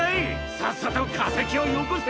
さっさとかせきをよこせ！